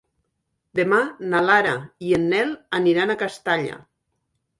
Demà na Lara i en Nel aniran a Castalla.